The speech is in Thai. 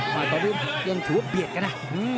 มาตอนนี้ยังถือว่าเบียดกันนะ